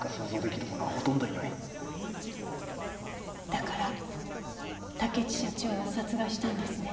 だから竹地社長を殺害したんですね。